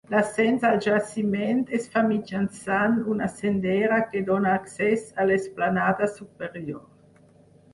L'ascens al jaciment es fa mitjançant una sendera que dóna accés a l'esplanada superior.